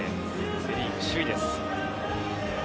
セ・リーグ首位です。